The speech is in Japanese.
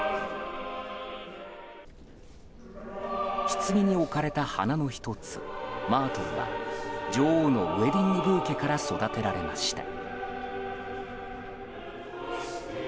ひつぎに置かれた花の１つマートルは女王のウェディングブーケから育てられました。